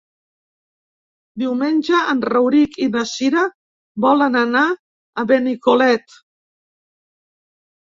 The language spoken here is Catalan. Diumenge en Rauric i na Cira volen anar a Benicolet.